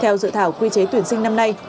theo dự thảo quy chế tuyển sinh năm nay